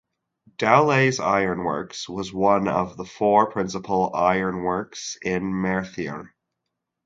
Dowlais Ironworks was one of the four principal ironworks in Merthyr.